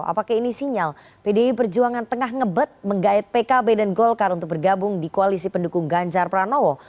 apakah ini sinyal pdi perjuangan tengah ngebet menggait pkb dan golkar untuk bergabung di koalisi pendukung ganjar pranowo